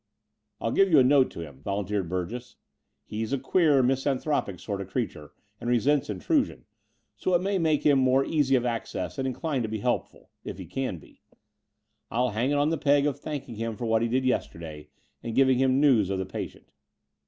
'I'll give you a note to him," volunteered Burgess. "He is a queer misanthropic sort of creature and resents intrusion: so it may make him more easy of access and inclined to be helpful — ^if he can be. I'll hang it on the peg of thanking him for what he did yesterday, and giving him news of the patient."